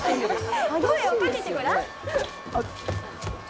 声をかけてごらん！